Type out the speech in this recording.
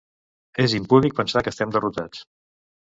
És impúdic pensar que estem derrotats.